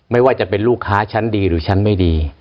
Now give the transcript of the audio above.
ไม่ว่าจะเป็นลูกค้าชั้นดีหรือชั้นไม่ดี